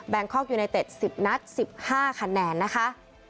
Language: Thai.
แบงคกยูในเต็ด๑๐ณ๑๕คะแนนนะคะ